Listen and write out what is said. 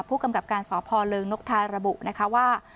ผู้กำกับการสพเริงนกทายระบุนะคะว่า